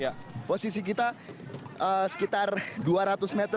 ya posisi kita sekitar dua ratus meter